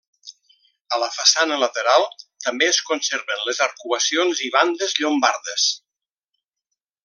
A la façana lateral també es conserven les arcuacions i bandes llombardes.